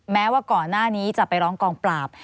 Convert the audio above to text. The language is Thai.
แม้ว่าก่อนหน้านี้จะไปร้องกองปราบ